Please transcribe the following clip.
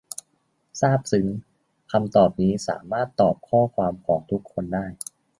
ซาบซึ้ง คำตอบนี้ สามารถตอบข้อความของทุกคนได้